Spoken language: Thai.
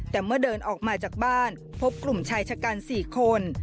แต่เมื่อเดินออกมาจากบ้านพบกลุ่มชายชะกัน๔คน